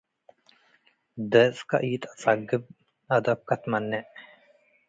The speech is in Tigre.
ድርጽከ ኢተአጸግብ አደብከ ትመኔዕ።